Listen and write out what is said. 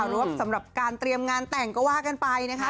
รวบสำหรับการเตรียมงานแต่งก็ว่ากันไปนะคะ